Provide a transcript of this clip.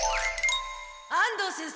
安藤先生